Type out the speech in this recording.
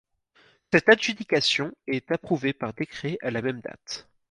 Cette adjudication est approuvée par décret à la même date.